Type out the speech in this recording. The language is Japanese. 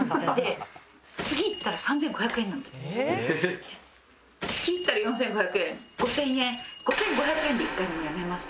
次行ったら４５００円５０００円５５００円で一回もうやめました。